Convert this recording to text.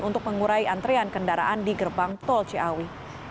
untuk mengurai antrean kendaraan di gerbang tol ciawi